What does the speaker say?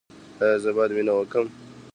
ایا زه باید مینه وکړم؟